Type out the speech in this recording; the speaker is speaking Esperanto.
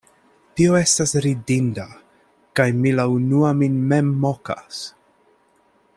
Tio estas ridinda, kaj mi la unua min mem mokas.